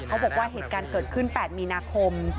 เขาบอกว่าเหตุการณ์เกิดขึ้น๘มีนาคม